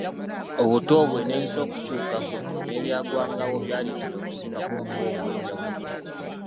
Obuto bwe n'ensi okukyukako n'ebyagwangawo byaleetera okusika kwe okuba okw'enjawulo.